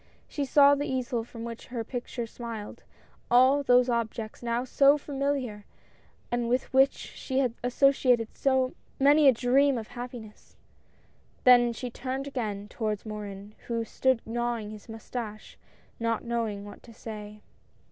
She saw the easel from which her picture smiled, all those objects now so familiar, and with which she had associated many a dream of happiness ;— then she turned again toward Morin, who stood gnawing his moustache, not knowing what to say.